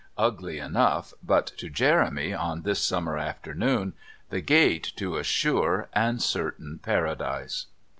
Ugly enough, but to Jeremy, on this summer afternoon, the gate to a sure and certain Paradise.